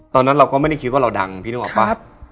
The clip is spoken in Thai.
ตอนนั้นเราก็ไม่ได้คิดว่าเราดังพี่นึกออกป่ะ